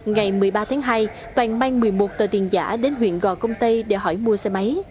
ngày một mươi ba tháng hai toàn mang một mươi một tờ tiền giả đến huyện gò công tây để hỏi mua xe máy